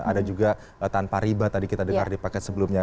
ada juga tanpa riba tadi kita dengar di paket sebelumnya